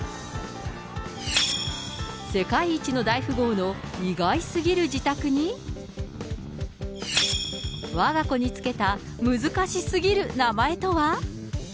世界一の大富豪の意外すぎる自宅に、わが子に付けた難しすぎる名前とは。